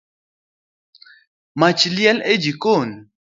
Mach liel e jikon.